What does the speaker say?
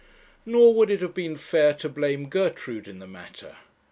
Nor would it have been fair to blame Gertrude in the matter.